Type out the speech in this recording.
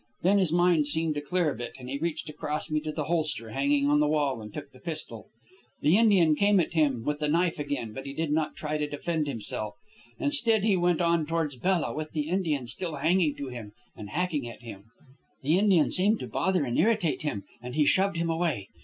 Then his mind seemed to clear a bit, and he reached across me to the holster hanging on the wall and took the pistol. The Indian came at him with the knife again, but he did not try to defend himself. Instead, he went on towards Bella, with the Indian still hanging to him and hacking at him. The Indian seemed to bother and irritate him, and he shoved him away.